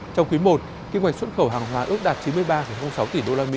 trong quý i kinh hoạch xuất khẩu hàng hóa ước đạt chín mươi ba sáu tỷ usd